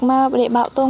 mà để bảo tồn